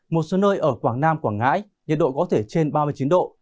một số nơi ở quảng nam quảng ngãi nhiệt độ có thể trên ba mươi chín độ